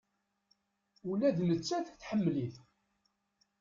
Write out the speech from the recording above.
Ula d nettat, tḥemmel-it.